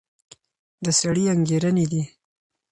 د سړي انګېرنې دي.